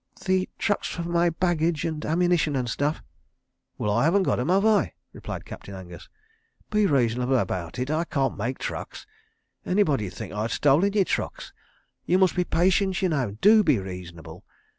"The trucks for my baggage and ammunition and stuff." "Well, I haven't got 'em, have I?" replied Captain Angus. "Be reasonable about it. .. I can't make trucks. .. Anybody'd think I'd stolen your trucks. ... You must be patient, y'know, and do be reasonable.